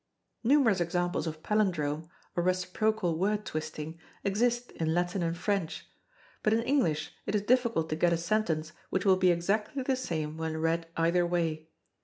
Numerous examples of Palindrome or reciprocal word twisting exist in Latin and French; but in English it is difficult to get a sentence which will be exactly the same when read either way.